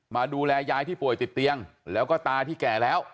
มาดูแลยายที่ป่วยติดเตียงแล้วก็ตาที่แก่แล้ว